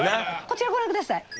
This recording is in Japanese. こちらご覧下さい。